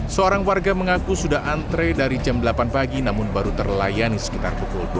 seorang warga mengaku sudah antre dari jam delapan pagi namun baru terlayani sekitar pukul dua belas